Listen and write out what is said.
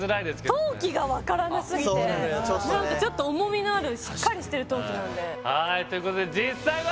この陶器がわからなすぎてそうなのよちょっとね何かちょっと重みのあるしっかりしてる陶器なんではいということで実際は？